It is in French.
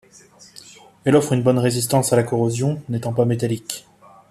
Elle offre une bonne résistance à la corrosion n'étant pas métallique.